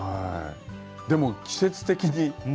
でも季節的に。